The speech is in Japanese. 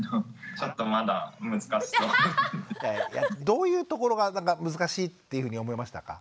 どういうところが難しいっていうふうに思いましたか？